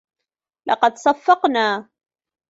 لقد صفقنا.